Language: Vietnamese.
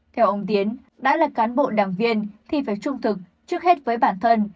theo ông tiến đã là cán bộ đảng viên thì phải trung thực trước hết với bản thân